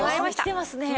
きてますね。